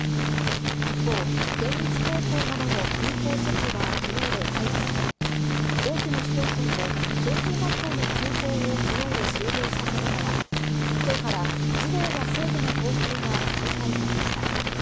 一方、県立高校などの休校措置はきのうで解除され、多くの市町村も小中学校の休校をきのうで終了したことから、きょうから児童や生徒の登校が再開されました。